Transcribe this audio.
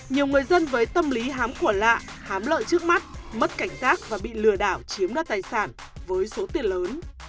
nhiều người dân với tâm lý hám khổ lạ hám lợi trước mắt mất cảnh giác và bị lừa đảo chiếm đoạt tài sản với số tiền lớn